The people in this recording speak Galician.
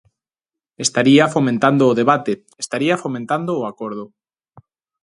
Estaría fomentando o debate, estaría fomentando o acordo.